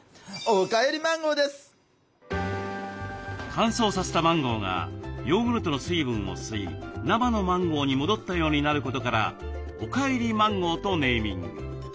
乾燥させたマンゴーがヨーグルトの水分を吸い生のマンゴーに戻ったようになることから「おかえりマンゴー」とネーミング。